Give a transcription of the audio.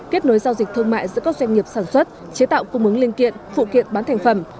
kết nối giao dịch thương mại giữa các doanh nghiệp sản xuất chế tạo cung ứng linh kiện phụ kiện bán thành phẩm